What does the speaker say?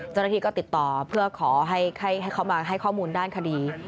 เจ้าหน้าที่ก็ติดต่อเพื่อขอให้เขามาให้ข้อมูลด้านคดี